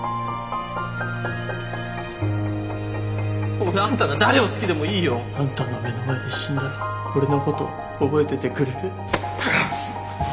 俺あんたが誰を好きでもいいよ。あんたの目の前で死んだら俺のこと覚えててくれる？